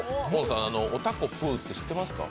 おたこぷーって知ってますか？